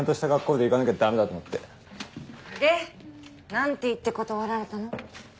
で何て言って断られたの？